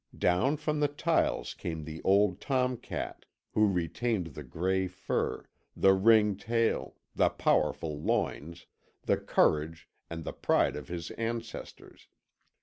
Down from the tiles came the old tom cat, who retained the grey fur, the ringed tail, the powerful loins, the courage, and the pride of his ancestors.